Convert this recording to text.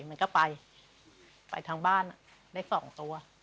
มันก็ไปไปทางบ้านได้สองตัว